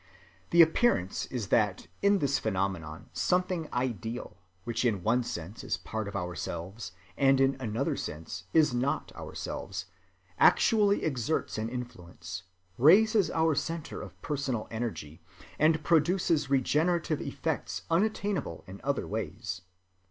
The appearance is that in this phenomenon something ideal, which in one sense is part of ourselves and in another sense is not ourselves, actually exerts an influence, raises our centre of personal energy, and produces regenerative effects unattainable in other ways.